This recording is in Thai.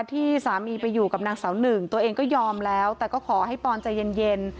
ที่สามีไปอยู่กับนางสาวหนึ่งตัวเองก็ยอมแล้วแต่ก็ขอให้ปอนใจเย็น